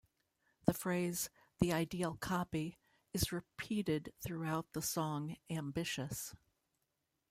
The phrase "the ideal copy" is repeated throughout the song "Ambitious.